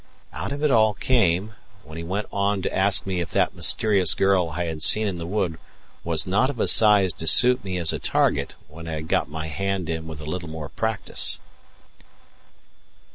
Out of it all came, when he went on to ask me if that mysterious girl I had seen in the wood was not of a size to suit me as a target when I had got my hand in with a little more practice.